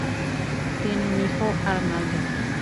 Tiene un hijo, Arnaldo.